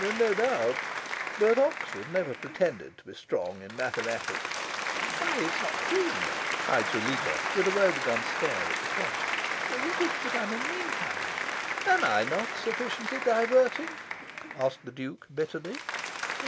"No doubt. But Oxford never pretended to be strong in mathematics." "Why, it's not yet three!" cried Zuleika, with a woebegone stare at the clock. "What is to be done in the meantime?" "Am not I sufficiently diverting?" asked the Duke bitterly.